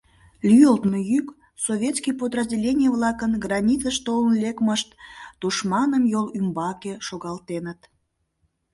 Лӱйылтмӧ йӱк, советский подразделений-влакын границыш толын лекмышт тушманым йол ӱмбаке шогалтеныт.